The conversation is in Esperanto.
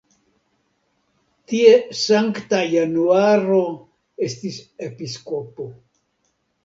Tie Sankta Januaro estis episkopo.